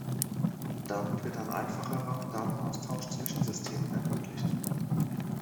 Damit wird ein einfacherer Datenaustausch zwischen Systemen ermöglicht.